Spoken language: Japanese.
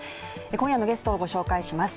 今夜のゲストをご紹介します。